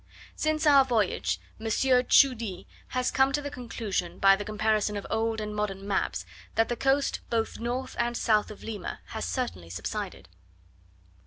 Since our voyage, M. Tschudi has come to the conclusion, by the comparison of old and modern maps, that the coast both north and south of Lima has certainly subsided.